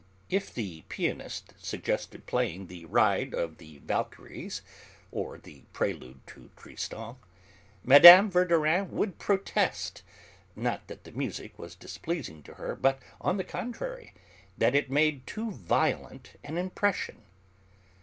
If the pianist suggested playing the Ride of the Valkyries, or the Prelude to Tristan, Mme. Verdurin would protest, not that the music was displeasing to her, but, on the contrary, that it made too violent an impression.